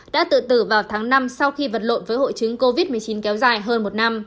đã tự tử vào tháng năm sau khi vật lộn với hội chứng covid một mươi chín kéo dài hơn một năm